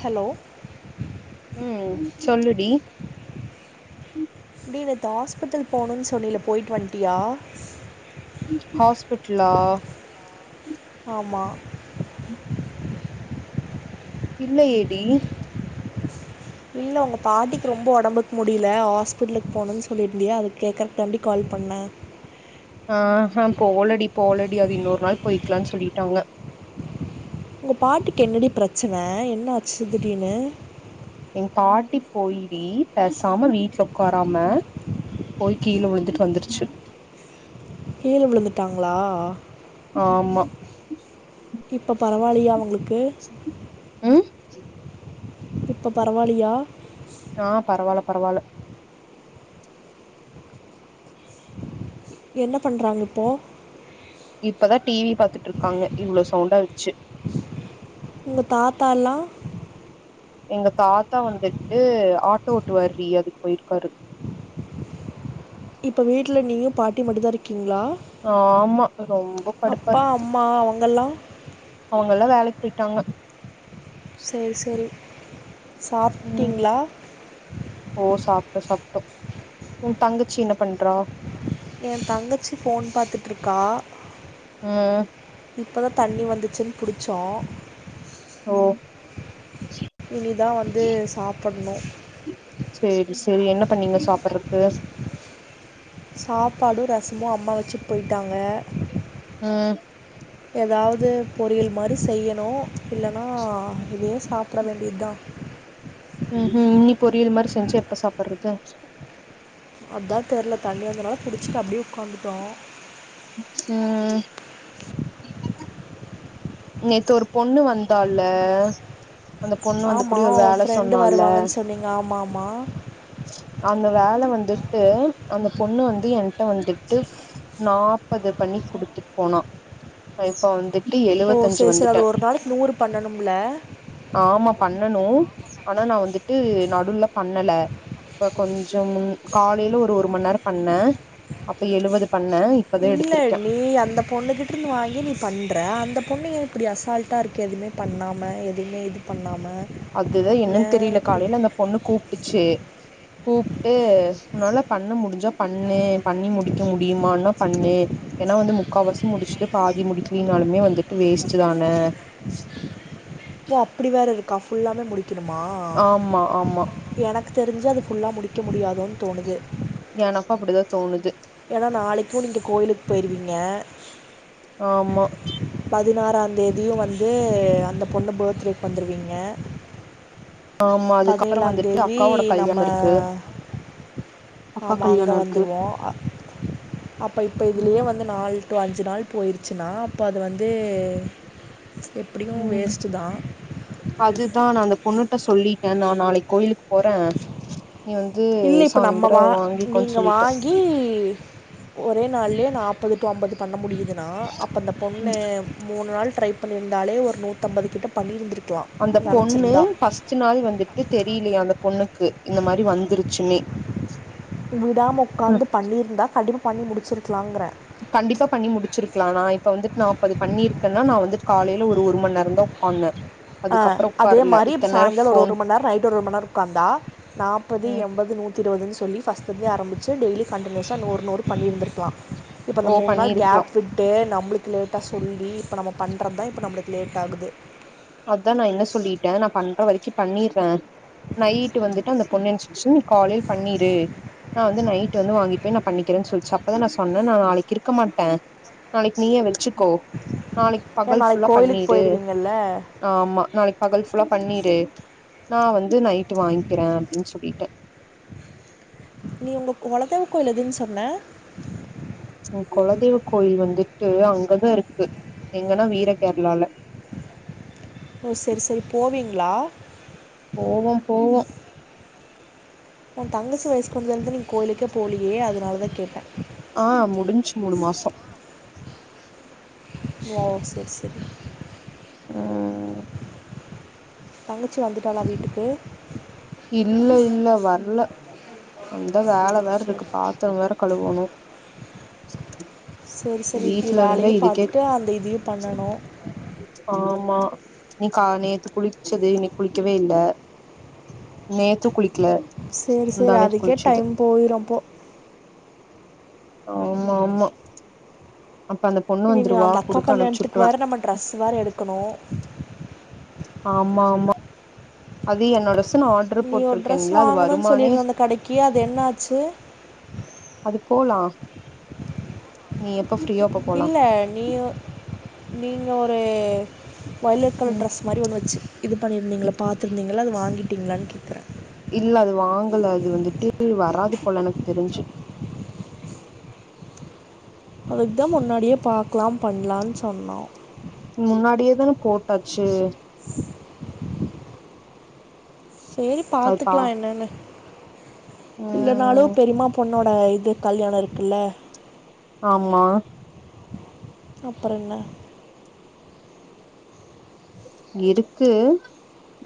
Hello உ சொல்லுடி டி நேத்து ஹாஸ்பிட்டல் போணுன்னு சொன்னில போய்ட்டு வண்ட்டியா ஹாஸ்பிடலா ஆமா இல்ல ஏடி இல்ல உங்க பாட்டிக்கு ரொம்ப உடம்புக்கு முடியல ஹாஸ்பிட்டலுக்கு போகணும்ன்னு சொல்லிட்ருந்தியா அதுக்கு கேக்கரதாண்டி கால் பண்ணே ஆஹா போல டி போல டி அது இன்னொரு நாள் போய்க்கலான் சொல்லிட்டாங்க உங்க பாட்டிக்கு என்னடி பிரச்சன என்னஆச்சு திடீர்னு எங் பாட்டி போயி பேசாம வீட்டுல உக்காராம போய் கீழ விழுந்துட்டு வந்துருச்சு கீழ விழுந்துட்டாங்களா ஆமா இப்ப பரவால்லையா அவங்களுக் உ [inaudible] இப்போ பரவாயில்லயா ஆ பரவால்ல பரவால்ல என்ன பண்றாங்க இப்போ இப்பதா டி வி பாத்துட்ருக்காங்க இவ்ளோ சவுண்டா வச்சு உங்க தாத்தாலா எங்க தாத்தா வந்துட்டு ஆட்டோ ஓட்டுவாருடி அதுக்கு போயிருக்காரு இப்ப வீட்டுல நீயு பாட்டியு மட்டுதா இருக் ஆமா ரொம்ப கடுப்பா அப்பா இருக்குது அம்மா அவங்கெல்லாம் அவங்கல்லா வேலைக்கு போய் டாங்க செரி செரி உ ஓ சாப்ட்டோ சாப்ட்டோ உ தங்கச்சி என்ன பண்றா எ தங்கச்சி ஃபோன் பாத்துட்ருக்கா உ இப்போ தா தண்ணி வந்துச்சுன்னு பிடிச்சோ ஓ இனி தான் வந்து சாப்பிடணும் சரி சரி என்ன பண்ணீங்க சாப்பிடுறத் டேஸ் சாப்பாடு ரசமு அம்மா வச்சுட்டு போயிட்டாங்க ம் ஏதாவது பொரியல் மாரி செய்யணு இல்லனா இதையே சாப்பிட வேண்டியதா உ உ இனிமே பொரியல் மாரி செஞ்சு எப்ப சாப்பிடுறது அதா தெர்ல தண்ணி வந்தனாலா புடிச்சிட்டு அப்டியே உக்காந்துட்டோ [unintelligible] நேத்து ஒரு பொண்ணு வந்தால அந்த பொண்ணு வந்து கூடி ஆமாம் ஒரு உன் வேல ஃப்ரெண்டு சொன்னால்ல வருவாங்கன்னு சொன்னீங்க ஆமாம் ஆமாம் அந்த வேல வந்துரு ட்டு அந்த பொண்ணு வந்து என்ட்ட வந்துட்டு நாப்பது பண்ணி குடுத்துட் போனா ஆ இப்ப வந்துட்டு ஓ எழுவத்தஞ்சு சேரி சேரி அது வந்துட்டே ஒரு நாளைக்கி நூறு பண்ணனும்ல? ஆமா பண்ணனு ஆனா நா வந்துட்டு நடுவுல பண்ணல. இப்ப கொஞ்ச முன் காலைல ஒரு ஒரு மணி நேரோ பண்ணே அப்ப எழுவது பண்ணே இப்பதா எடுத்திருக்கே இல்லடீ அந்த பொண்ணுகிட்ட இருந்து வாங்கி நீ பண்ற அந்த பொண்ணு ஏன் இப்பிடி அசால்ட்டா இருக்கு எதுமே பண்ணாம எதுமே இது பண்ணா அதுதா என்னன்னு தெரியல. காலைல அந்த பொண்ணு கூப்ட்டுச்சு. கூப்ட்டு உன்னால பண்ண முடிஞ்சா பண்ணு பண்ணி முடிக்க முடியுமான்னா பண்ணு ஏன்னா வந்து முக்காவாசி முடிச்சுட்டு பாதி முடிக்கிலயினாலுமே வந்துட்டு வேஸ்ட்தான ஏ அப்பிடி வேற இருக்கா ஃபுல்லாமே முடி க்கணுமா? ஆமா ஆமா என க்கு தெரிஞ்சு அது ஃபுல்லா முடி க்க முடியாதோன்னு தோணுது. எனக்கு அப்டிதா தோணுது ஏன்னா நாளைக்கு நீங்க கோயிலுக்கு போயிருவீங்க. ஆமா பதினாறாந் தேதியு வந்து அந்தப் பொண்ணு பர்த்டேக்கு வந்துருவீங்க ஆமா அதுக்கப்புறோ பதினேழாந் வந்துட்டு தேதி அக்காவோட நம்ம கல்யாணோ இருக்கு அக்கா ஆமா அங்க கல்யாணோ இருக்கு வந்துருவோ. அ அப்ப இப்ப இதுலயே வந்து நால் டு அஞ்சு நாள் போயிருச்சுனா அப்ப அது வந்து எப்படியும் ம் வேஸ்ட்டு தான் அதுதா நா அந்த பொண்ணு ட்ட சொல்லிட்டே நா நாளைக்கி கோயிலுக் போறே நீ வந் இல்ல இப்ப நம்ம வா நீங்க வாங்கி ஒரே நாள்லயே நாப்பது டு அம்பது பண்ண முடியு துனா அப்ப அந்த பொண்ணு மூணு நாள் ட்ரை பண்ணிருந்தாலே ஒரு நூத்தம்பது கிட்ட பண்ணியிருந்துரு அந்தப் பொண்ணு ஃபஸ்ட் நாள் வந்துட்டு தெரியலையா அந்த பொண்ணுக்கு இந்த மாரி வந்துரு க்குன்னே விடாம உக்காந்து பண்ணிருந்தா கண்டிப்பா பண்ணி முடிச்சிருக்கலாங்கறே கண்டிப்பா பண்ணி முடிச்சிருக்கலா நா இப்ப வந்துட் நாப்பது பண்ணியிருக்கேன்னா நா வந்துட் காலைல ஒரு ஒரு மணி நேரந்தா உக்காந்தே ஆ அதுக்கப்புறோ அதே உக்காரல மாரி இப்ப இத்தன் நேரோ சாயங்காலோ ஒரு ஃபோன் ஒரு மணி நேரோ நைட் ஒரு ஒரு மணி நேரோ உக்காந்தா நாப்பது ம் எம்பது நூத் தி இருவதுன்னு சொல்லி ஃபஸ்ட் இருந்தே ஆரம்பிச்சு டெய்லி கண்டினியூஸா நூறு நூறு பண்ணி இருந்திருக்கலா இப்ப ஓ அந்த மூணு நாள் பண்ணிருக்கலா கேப் விட்டு ந நம்பளுக்கு லேட்டா சொல்லி இப்ப நம்ப பண்றது தா இப்ப நம்பளுக்கு லேட் ஆகுது அதா நா என்ன சொல்லிட்டே நா பண்ற வரைக்கு பண்ணிறே நைட்டு வந்துட்டு அந்த பொண்ணு ஏஞ்ச் ச்சு காலையல பண்ணிரு நா வந்து நைட் வந்து வாங்கி போய் நா பண்ணிக்கிறே சொல்ச்சு அப்பதா நா சொன்னே நா நாளைக்கு இருக்க மாட்டே நாளைக்கு நீயே வெச்சு ஏ நாளைக் கோயிலுக்கு பண்ணிரு போயிருவீங்கல்ல ஆமா நாளைக்கு பகல் ஃபுல்லா பண்ணிரு நா வந்து நைட்டு வாங்கிக்கிறே அப்டின் சொல்லிட்டே நீ உங்க கொலதெய்வ கோயில் எதுன் சொன்ன ம் கொலதெய்வ கோயில் வந்துட்டு அங்கதா இருக்கு எங்கன்னா வீர கேரளால ஓ சரி சரி போவீங்களா போவோம் போவோம் ஓ தங்கச்சி வயசுக்கு வந்தது இருந்து நீங்க கோயிலுக்கே போலயே அதனாலதா கேட்டே ஆ முடிஞ்சு மூணு மாசம் ஓ சேரி சேரி ம் தங்கச்சி வந்துட்டாளா வீட்டுக்கு இல்ல இல்ல வரல அந்த வேல வேற இருக்கு சரி பாத்திர வேற கழுவணும் சரி சரி இப்படி வீட்ல இருந்த வேலையும் இதுக்கே பார்த்துட்டு அந்த இதையும் பண்ணணும் ஆமா நீ க்கா நேத்து குளிச்சது இன்னிக் குளிக்கவே இல்ல நேத்து குளிக் சேரி சேரி அதுக்கே டைம் போயிரும்ப்போ ஆமா ஆமா அப்ப அந்த பொண்ணு இல்ல வந்துருவா அந்த அக்கா குடுத்து கல்யாணத்துக்கு அனுப்ச்சுட்ருவே வேற நம்ம ட்ரெஸ் வேற எடுக்கணு ஆமா ஆமா அது என்னோட ஸ் நீ ஒரு ட்ரெஸ் வாங்கணும்ன் சொல்லிருந்த அந்த கடைக்கு அது என்ன ஆச்சு அது போலா நீ எப் இல்ல நீ வ நீங்க ஒரு ஓய்லட் ம் கலர் டிரஸ் மாரி ஒண்ணு வச்சு இது பண்ணியிருந்தீங்கள பாத்துருந்தீங்களா அது வாங்கிட்டீங்களான் கேக்கறே இல்ல அது வாங்கல அது வந்துட்டு வராது போல எனக்கு தெரிஞ்சு அதுக்கு தா முன்னாடியே பாக்கலாம் பண்லான் சொன்னோம் முன்னாடியே தானே போட்டாச்சு சேரி அதுப்பா பாத்துக்கலா என்னென்னு இல்லானாலும் ம் பெரியம்மா பொண் ன்னோட இது கல்யாண இருக்குல்ல ஆம்மா அப்றன்ன இருக்கு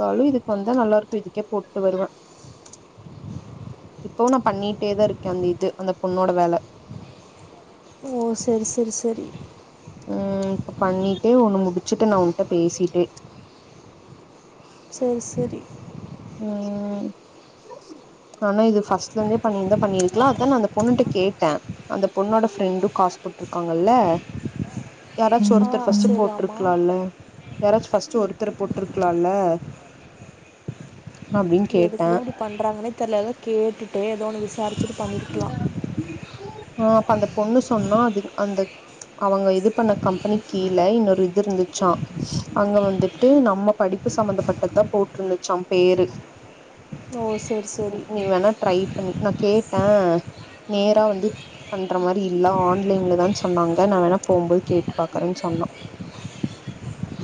பவிருக் வந்தா நல்லா இருக்கு இதுக்கே போட்டு வருவே இப்பவு நா பண்ணிட்டேதா இருக்கேன் அந்த இது அந்த பொண்ணோட வேல ஓ செரி செரி செரி ம் இப்ப பண்ணிட்டே ஒண்ணு முடிச்சுட்டு நா உன்ட்ட பேசிட்டே செரி செரி ம் ஆனா இது பர்ஸ்ட்ல இருந்தே பண்ணியிருந்தா பண்ணிருக்கலா அத நா அந்த பொண்ணுட்ட கேட்டே அந்த பொண்ணோட ஃப்ரெண்டும் காஸ் போட்டுருக்காங்கல்ல யாராச்சு ஆ ஒருத்தர் ஃபர்ஸ்ட் செரி ஆமா போட்டுருக்கலா இல்ல யாராச்சு ஃபஸ்ட் ஒருத்தர் போட் ட்டுருக்கலால்ல எதுக்குதா இப்படி பண்றாங்கன்னே தெரில அதா கேட்டுட்டே ஏதோ ஒன்னு விசாரிச்சட்டு பன்னிருக்கலா ஆ அப்ப அந்த பொண்ணு சொன்னா அது அந்த அவங்க இது பண்ண கம்பெனி கீழ இன்னொரு இது இருந்துச்சா அங்க வந்துட்டு நம்ம படிப்பு சம்பந்தப்பட்டதுதா போட்டுருந்துச்சா பேரு ஓ செரி செரி நீ வேணா ட்ரை பண்ணி நா கேட் ஆ நேரா வந்து வந் ட்ர மாரி இல்ல ஆன்லைன்ல தா சொன்னாங்க நா வேணா போம்போது கேட்டு பாக்கறன் சொன்னா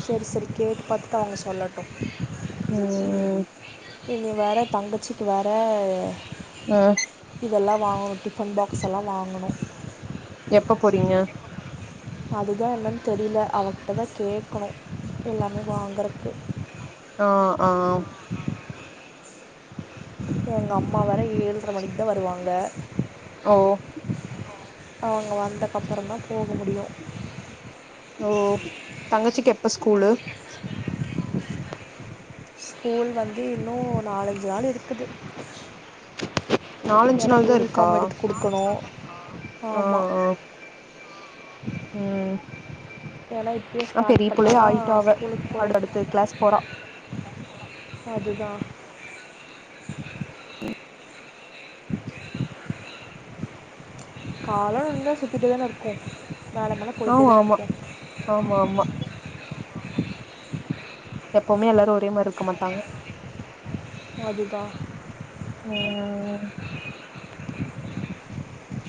செரி செரி கேட்டு பாத்துட்டு அவுங்க சொல்லட்டு ம் ம் இது வேற தங்கச்சிக்கு வேற ம் இதெல்லா வாங்குணு டிஃபன் பாக்ஸ்ல்லா வாங்குணு எப்ப போறீங்க அதுதா என்னன்னு தெரில அவகிட்ட தா கேக்கணு எல்லாமே வாங்கறக்கு ஆ ஆ எங்க அம்மா வேற ஏழ்ர மணிக்கு தா வருவாங்க ஓ வாங்க வாங் ந்தக்கப்பறந்தா போ பண்ண முடியு ஓ தங்கச்சிக்கு எப்ப ஸ்கூலு ஸ்கூல் வந்து இன்னு நாலஞ்சு நாள் இருக்கு நாலஞ்சு ஏன்னா நாள் தா இருக்கா யூனிஃபார்ம் எடுத்து குடுக்கணு ஆ ஆமா ஆ ம் ஏன்னா இப்பே ஆ ஸ்டார்ட் பெரிய புள்ளையா பண்ணாதா ஆயிட்டா அவ ஸ்கூலுக்கு போற அடுத்து அடுத்து கிளாஸ் போறா [unintelligible] அதுதா [inaudible] [inaudible] கால நல்லா சுத்திட்டுதானே இருக்கோ ஆமாமா ஆமாமா எப்பமே எல்லாரு ஒரே மாரி இருக்க மாட்டாங்க அது தான் ம்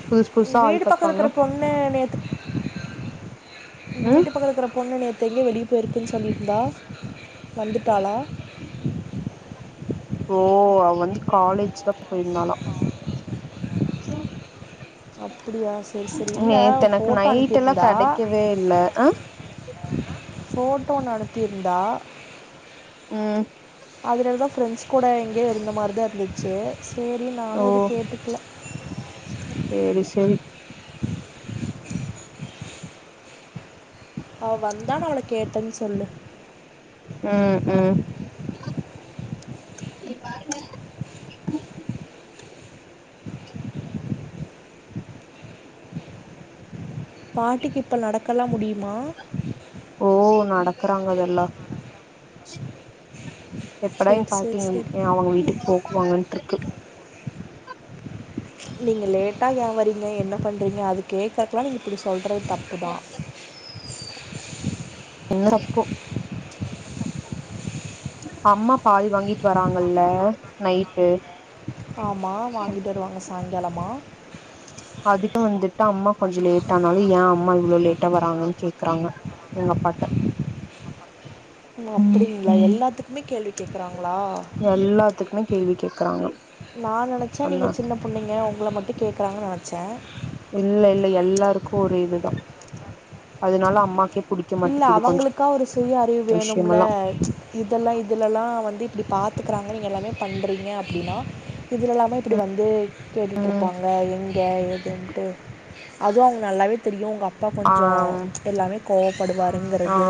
புதுசு உங்க புதுசா ஆள் வீடு பக்க இருக்கற பாத்தாங்கன்னா பொண்ணு நேத்து உங்க ம் வீட்டு பக்க இருக்கற பொண்ணு நேத் தேங்க வெளியே போயிருக்குதுன்னு சொல்லிருந்தா வந்துட்டாளா ஓ அவ வந்து காலேஜ் தா ப் போயிருந்தாளா அப்படியா சரி சரி நீ இல்லை எனக்கு ஃபோட்டோ நைட் எல்லா அனுப்பியிருந்தா கெடக்கவே இல்ல அ ஃபோட்டோ ஒன்னு அனுப்பியிருந்தா ம் அதுல தா ஃப்ரெண்ட்ஸ் கூட எங்கேயோ இருந்த மாரி தா இருந்துச்சு சேரி ஓ நானு ஏது கேட்டுக்குல சேரி செரி அவ வந்தா நா அவள கேட்டன் சொல்லு ம் ம் இ [inaudible] பாட்டிக்கு இப்ப நடக்கல்லா முடியுமா ஓ நடக்கறாங்க அதல்லா எப்படா சரி எங் சரி பாட்டி சரி ஏ அவங்க வீட்டுக்கு போக்குவாங்கன்ட்டுருக்கு நீங்க லேட்டா ஏ வரீங்க என்ன பண்றீங்க அது கேக்கறக்கல்லா நீங்க இப்டி சொல் றவு தப்பு தா என்னடா இப்போ அம்மா பால் வாங்கிட்டு வராங்கல்ல நைட்டு ஆமாம் வாங்கிட்டு வருவாங்க சாயங்காலமா அதுக்கு வந்துட்டு அம்மா கொஞ்ச லேட்ட ஆனாலு ஏ அம்மா இவ்ள லேட்டா வராங்கன்னு கேக்குறாங்க எங்கப்பாட்ட ல அப்புடி இல்ல எல்லாத்து எல்லாத்துக்குமே கேள்வி கேக்கறாங்க நா நெனைச்ச நீங்க சின்ன புள்ளங்க உங்கள மட்டு கேக்கறாங்க நெனச்சே இல்ல இல்ல எல்லாருக்கு ஒரு இதுதா அதனால அம்மாக்கே புடிக்க இல்ல மாட்டேக்குது கொஞ்ச அவங்களுக்கா ஒரு சுய அறிவு வேணும்ல விஷயமெல்லா இதெல்லா இதுலல்லா வந்து இப்டி பாத் கத்துக்கறாங்க நீங்க எல்லாமே பண்றீங்க அப்டின்னா இதுல எல்லாமே இப்டி வந்து கேள்வி ம் கேப்பாங்க எங்கே எதுன்ட்டு அதுவு அவுங்க நல்லாவே தெரியும் உங்க அப் பா ஆ கொஞ்சம் எல்லாமே கோம் ஆ படுவாங்கறது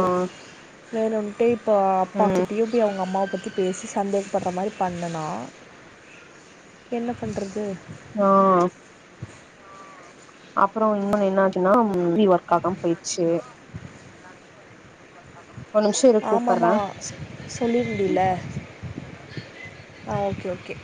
வேற அப்டேட் இப்ப அப்பா ம் கிட்டயும் போய் அவுங்க அம்மாவ பத்தி பேசி சந்தேகப்படற மாரி பண்ணல என்ன பண்றது ஆ அப்புற இன்னு என்ன ஆச்சின்னா ம் வீ ஒர்க் ஆகாம போயிச்சு நிமிஷ இரு ஆமா ஆமா கூப்பட்றே சொல்லிருந்தல்ல ஆ ஓகே ஓகே